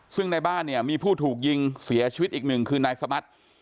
ซึ่งในบ้านเนี่ยมีผู้ถูกยิงเสียชีวิตอีกหนึ่งคือนายสมัติ